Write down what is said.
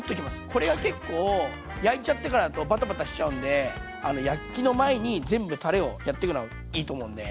これが結構焼いちゃってからだとバタバタしちゃうんで焼きの前に全部たれをやっとくのいいと思うんで。